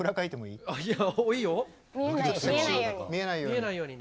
見えないように。